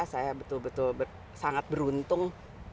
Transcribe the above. saya betul betul sangat beruntung